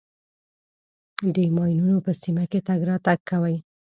د ماینونو په سیمه کې تګ راتګ کوئ.